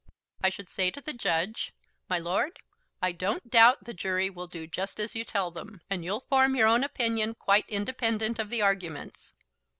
I should say to the judge, 'My lord, I don't doubt the jury will do just as you tell them, and you'll form your own opinion quite independent of the arguments.'"